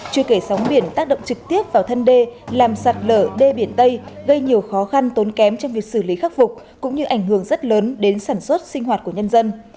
chưa kể sóng biển tác động trực tiếp vào thân đê làm sạt lở đê biển tây gây nhiều khó khăn tốn kém trong việc xử lý khắc phục cũng như ảnh hưởng rất lớn đến sản xuất sinh hoạt của nhân dân